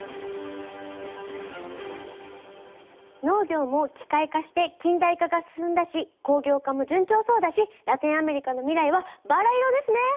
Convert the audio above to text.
農業も機械化して近代化が進んだし工業化も順調そうだしラテンアメリカの未来はバラ色ですね！